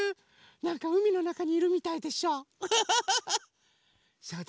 なんかうみのなかにいるみたいでしょ？ウフフフッ！